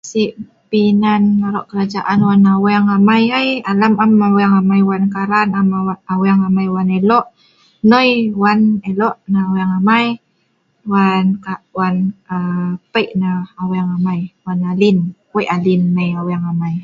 Si pi nan aroq kerajaan wan aweng amai ai, alam am aweng amai wan karan, am aweng wan ilo’. Nnoi wan ilo’ nah aweng amai, wan wan aa.. wan pei nah aweng amai . Wan alin. wei alin mai aweng amai.